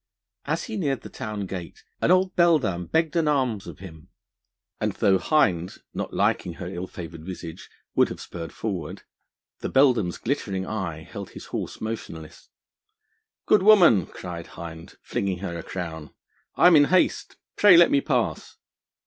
As he neared the town gate, an old beldame begged an alms of him, and though Hind, not liking her ill favoured visage, would have spurred forward, the beldame's glittering eye held his horse motionless. 'Good woman,' cried Hind, flinging her a crown, 'I am in haste; pray let me pass.'